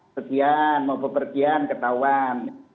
pergian mau bepergian ketahuan